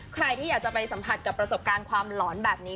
ใครที่อยากจะไปสัมผัสกับประสบการณ์ความหลอนแบบนี้